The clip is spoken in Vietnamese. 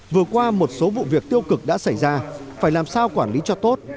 vừa qua một số vụ việc tiêu cực đã xảy ra phải làm sao quản lý cho tốt